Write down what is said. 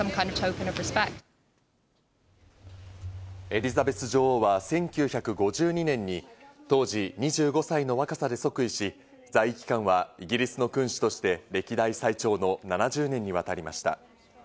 エリザベス女王は１９５２年に当時２５歳の若さで即位し、在位期間はイギリスの君主として歴代最長の７０年に渡りました。